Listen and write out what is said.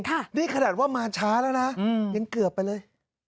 นี่ขนาดว่ามาช้าแล้วนะอืมยังเกือบไปเลย